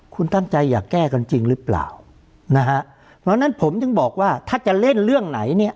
คุณตั้งใจอยากแก้กันจริงหรือเปล่านะฮะเพราะฉะนั้นผมถึงบอกว่าถ้าจะเล่นเรื่องไหนเนี่ย